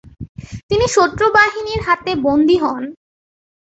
তিনি শত্রু বাহিনীর হাতে বন্দী হন।